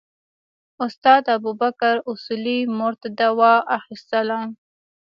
استاد ابوبکر اصولي مور ته دوا اخیستله.